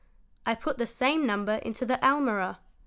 I put the same number into the almirah.